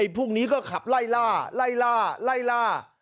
พวกนี้ก็ขับไล่ล่า